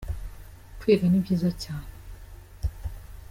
kwiga ni byiza cyane